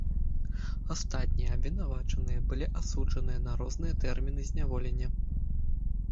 Астатнія абвінавачаныя былі асуджаныя на розныя тэрміны зняволення.